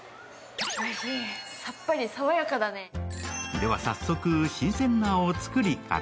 では早速、新鮮なお造りから。